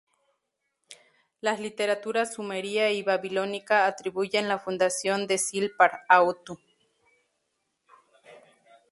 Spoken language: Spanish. Las literaturas sumeria y babilónica atribuyen la fundación de Sippar a Utu.